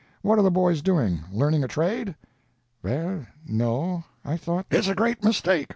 What are the boys doing—learning a trade?" "Well, no—I thought—" "It's a great mistake.